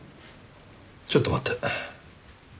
ちょっと待って。